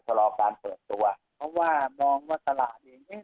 ชะลอการเปิดตัวเพราะว่ามองว่าตลาดเอง